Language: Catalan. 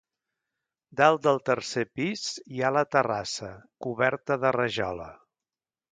Dalt del tercer pis hi ha la terrassa, coberta de rajola.